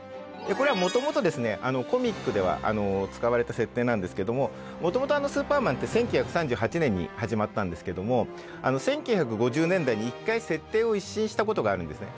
これはもともとコミックでは使われた設定なんですけどももともと「スーパーマン」って１９３８年に始まったんですけども１９５０年代に一回設定を一新したことがあるんですね。